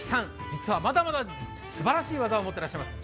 実は、まだまだすばらしい技を持ってらっしゃいます。